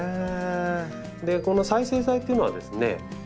この再生材っていうのはですね